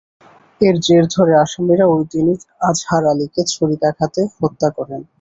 এর জের ধরে আসামিরা ওই দিনই আজাহার আলীকে ছুরিকাঘাতে হত্যা করেন।